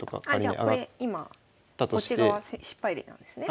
あじゃあこれ今こっち側失敗例なんですね？